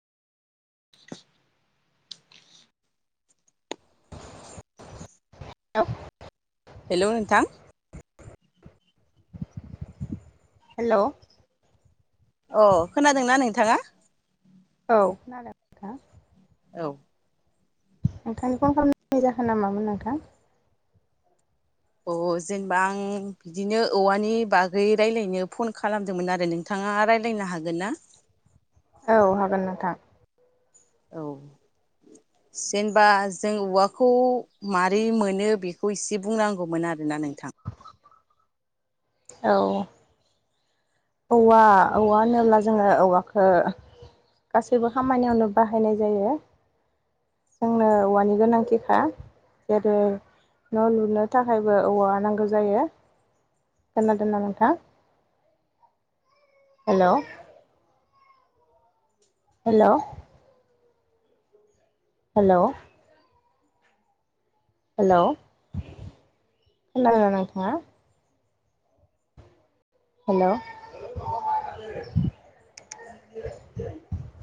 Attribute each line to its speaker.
Speaker 1: [unintelligible]
Speaker 2: हेल' नोंथां
Speaker 1: हेल'
Speaker 2: अ खोनादोंना नोंथाङा?
Speaker 1: औ खोनादों नोंथां।
Speaker 2: औ।
Speaker 1: नोंथांनि फन खालामनाय जाहोना मामोन नोंथां?
Speaker 2: अ जेनेबा आं बिदिनो औवानि बागै रायलायनो फन खालामदोंमोन आरो नोंथाङा रायलायनो हागोन ना?
Speaker 1: औ हागोन नोंथां।
Speaker 2: औ जेनेबा जों औवाखौ मारै मोनो बेखौ एसे बुंनांगौमोन आरोना नोंथां?
Speaker 1: औ। औवा औवा होनोब्ला जोङो औवाखो गासैबो खामानियावनो बाहायनाय जायो जोंनो औवानि गोनांथिखा। जेरै न' लुनो थाखायबो औवा नांगौ जायो। खोनादों ना नोंथां? हेलौ हेलौ हेलौ हेलौ खोनोदों ना नोंथाङा? हेलौ